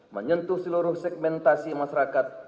menyentuh seluruh segmentasi masyarakat